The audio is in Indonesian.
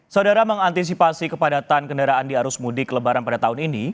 saudara mengantisipasi kepadatan kendaraan di arus mudik lebaran pada tahun ini